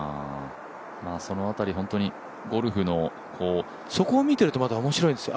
その辺り、ゴルフのそこを見てるとまた面白いんですよ。